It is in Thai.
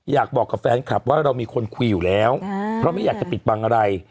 อยากบอกกับแฟนคลับว่าเรามีคนคุยอยู่แล้วเพราะไม่อยากจะปิดบังอะไร